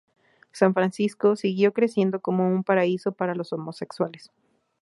San Francisco, siguió creciendo como un paraíso para los homosexuales.